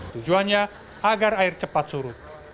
tujuannya agar air cepat surut